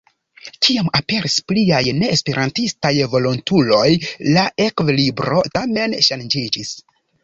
Kiam aperis pliaj neesperantistaj volontuloj la ekvilibro tamen ŝanĝiĝis.